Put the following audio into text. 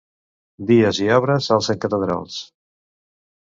Dies i obres alcen catedrals.